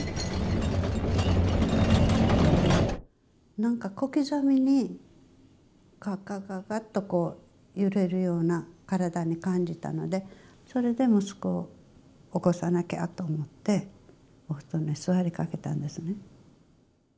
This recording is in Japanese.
何か小刻みにガガガガと揺れるような体に感じたのでそれで息子を起こさなきゃと思ってお布団の上に座りかけたんですね。